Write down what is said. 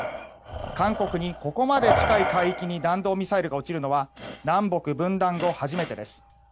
韓国にここまで近い海域に弾道ミサイルが落ちるのは南北分断後初めてです。